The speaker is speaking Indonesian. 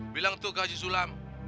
bilang tuh ke pak haji sulam